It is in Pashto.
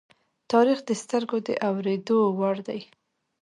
تاریخ د سترگو د اوریدو وړ دی.